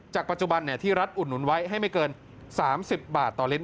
ปัจจุบันที่รัฐอุดหนุนไว้ให้ไม่เกิน๓๐บาทต่อลิตร